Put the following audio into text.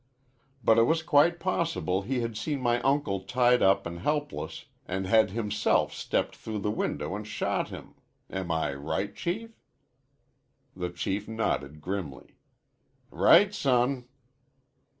But it was quite possible he had seen my uncle tied up an' helpless, an' had himself stepped through the window an' shot him. Am I right, Chief?" The Chief nodded grimly. "Right, son."